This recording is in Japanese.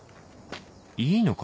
いいのか？